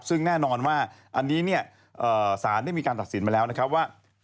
ซึ่งแน่นอนว่าอันนี้เนี่ยสารได้มีการตัดสินมาแล้วนะครับว่า